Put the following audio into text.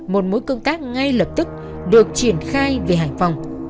một mối công tác ngay lập tức được triển khai về hải phòng